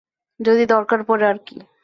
যদি দরকার পড়ে আর কী।